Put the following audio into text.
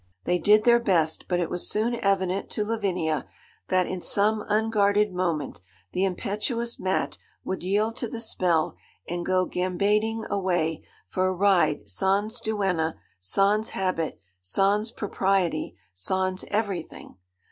They did their best; but it was soon evident to Lavinia that in some unguarded moment the impetuous Mat would yield to the spell and go gambading away for a ride sans duenna, sans habit, sans propriety, sans everything.